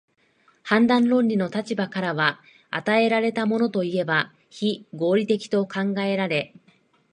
判断論理の立場からは、与えられたものといえば非合理的と考えられ、